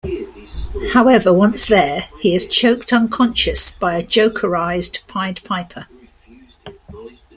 However, once there, he is choked unconscious by a Jokerized Pied Piper.